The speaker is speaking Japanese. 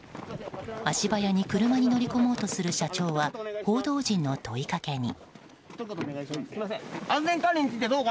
足早に車に乗り込もうとする社長は報道陣の問いかけに。